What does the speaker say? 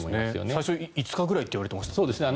最初５日ぐらいといわれてましたよね。